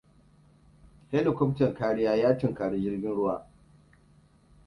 Helicoftan kariya ya tunkari jirgin ruwa.